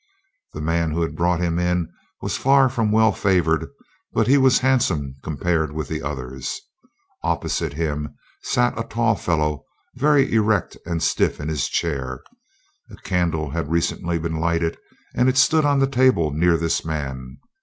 The man who had brought him in was far from well favored, but he was handsome compared with the others. Opposite him sat a tall fellow very erect and stiff in his chair. A candle had recently been lighted, and it stood on the table near this man.